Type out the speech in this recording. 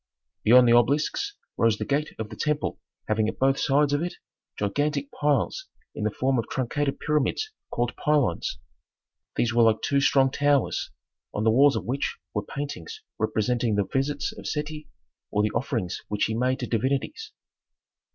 Beyond the obelisks rose the gate of the temple having at both sides of it gigantic piles in the form of truncated pyramids called pylons. These were like two strong towers, on the walls of which were paintings representing the visits of Seti, or the offerings which he made to divinities.